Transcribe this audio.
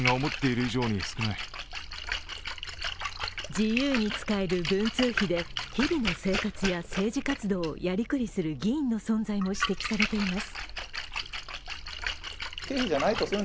自由に使える文通費で日々の生活や政治活動をやりくりする議員の存在も指摘されています。